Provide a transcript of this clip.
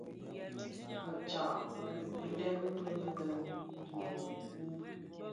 Më tyako kileň min lè di dhikuu.